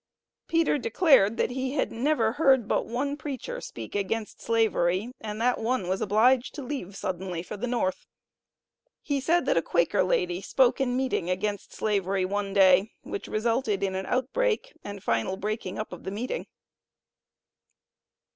Peter declared, that he had never heard but one preacher speak against slavery, and that "one was obliged to leave suddenly for the North." He said, that a Quaker lady spoke in meeting against Slavery one day, which resulted in an outbreak, and final breaking up of the meeting.